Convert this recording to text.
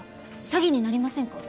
詐欺になりませんか？